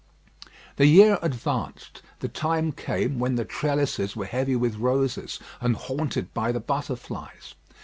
The year advanced; the time came when the trellises were heavy with roses, and haunted by the butterflies.